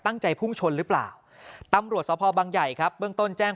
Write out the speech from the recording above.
ตั้งใจพุ่งชนหรือเปล่าตำรวจสภบังใหญ่ครับเบื้องต้นแจ้ง